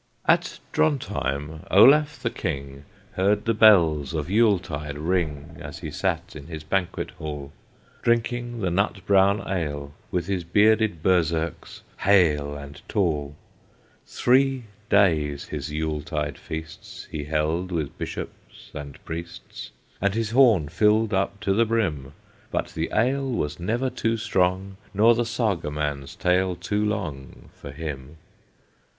At Drontheim, Olaf the King Heard the bells of Yule tide ring, As he sat in his banquet hall, Drinking the nut brown ale, With his bearded Berserks hale And tall. Three days his Yule tide feasts He held with Bishops and Priests, And his horn filled up to the brim; But the ale was never too strong, Nor the Saga man's tale too long, For him.